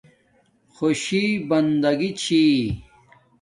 خوشی بندگی چھی